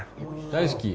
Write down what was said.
大好き。